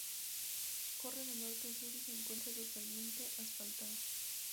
Corre de norte a sur y se encuentra totalmente asfaltada.